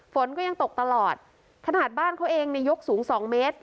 ฝนก็ยังตกตลอดขนาดบ้านเขาเองในยกสูง๒เมตร